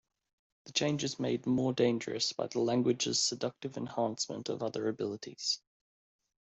The change is made more dangerous by the language's seductive enhancement of other abilities.